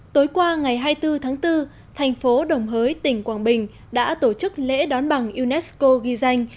tối qua ngày hai mươi bốn tháng bốn thành phố đồng hới tỉnh quảng bình đã tổ chức lễ đón bằng unesco ghi danh